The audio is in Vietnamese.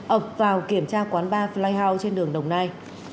ập vào kiểm tra quán bar flyhouse trên đường đồng nai